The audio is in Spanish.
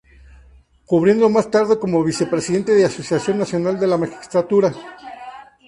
Cubriendo más tarde como vicepresidente de Asociación Nacional de la Magistratura.